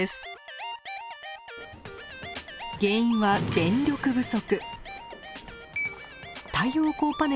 原因は電力不足。